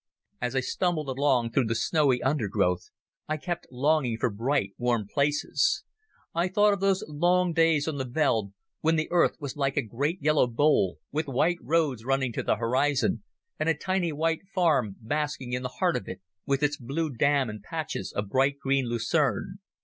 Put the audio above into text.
As I stumbled along through the snowy undergrowth I kept longing for bright warm places. I thought of those long days on the veld when the earth was like a great yellow bowl, with white roads running to the horizon and a tiny white farm basking in the heart of it, with its blue dam and patches of bright green lucerne.